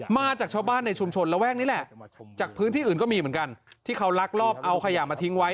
มาจากชาวบ้านในชุมชนระแวกนี้แหละจากพื้นที่อื่นก็มีเหมือนกันที่เขาลักลอบเอาขยะมาทิ้งไว้